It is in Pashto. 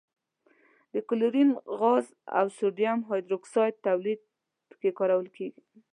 د کلورین غاز او سوډیم هایدرو اکسایډ تولید کې کارول کیږي.